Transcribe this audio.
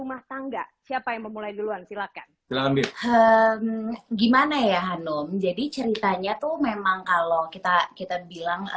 assalamualaikum wr wb